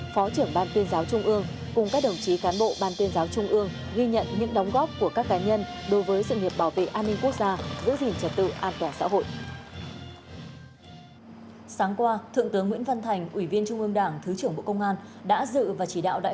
phó trưởng ban tuyên giáo trung ương cùng các đồng chí cán bộ ban tuyên giáo trung ương ghi nhận những đóng góp của các cá nhân đối với sự nghiệp bảo vệ an ninh quốc gia giữ gìn trật tự an toàn xã hội